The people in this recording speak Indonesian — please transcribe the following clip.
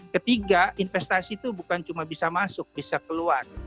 ketiga investasi itu bukan cuma bisa masuk bisa keluar